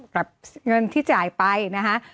กับเงินที่จ่ายไปนะคะ